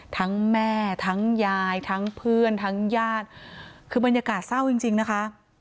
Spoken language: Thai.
ทั้งแม่ทั้งยายทั้งเพื่อนทั้งญาติคือบรรยากาศเศร้าจริงจริงนะคะ